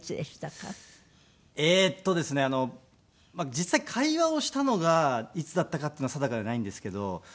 実際会話をしたのがいつだったかっていうのは定かではないんですけど。